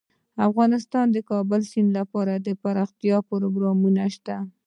افغانستان کې د د کابل سیند لپاره دپرمختیا پروګرامونه شته.